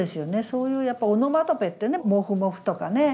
そういうやっぱオノマトペってね「もふもふ」とかね